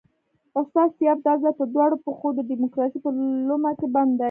استاد سیاف دا ځل په دواړو پښو د ډیموکراسۍ په لومه کې بند دی.